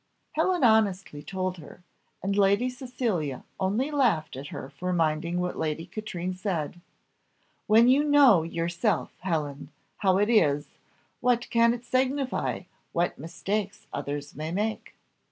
Helen honestly told her, and Lady Cecilia only laughed at her for minding what Lady Katrine said, "When you know yourself, Helen, how it is, what can it signify what mistakes others may make?"